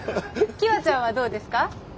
きわちゃんはどうですか？